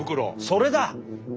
それだ。